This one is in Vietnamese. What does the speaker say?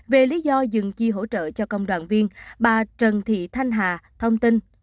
về lý do dừng chi hỗ trợ cho công đoàn viên bà trần thị thanh hà thông tin